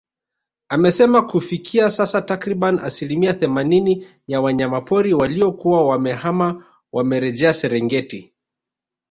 Amesema kufikia sasa takriban asilimia themanini ya wanyama pori waliokuwa wamehama wamerejea Serengeti